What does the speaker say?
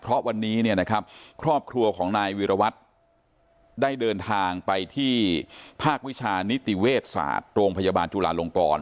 เพราะวันนี้เนี่ยนะครับครอบครัวของนายวิรวัตรได้เดินทางไปที่ภาควิชานิติเวชศาสตร์โรงพยาบาลจุลาลงกร